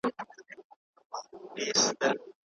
د دلارام په مځکه کي مي د انارو باغ کښېنولی دی